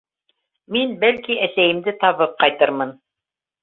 Мин, бәлки, әсәйемде табып ҡайтырмын.